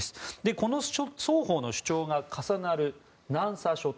この双方の主張が重なる南沙諸島